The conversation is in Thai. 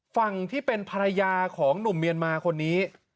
ฝั่งที่เป็นภรรยาของหนุ่มเมียนมาคนนี้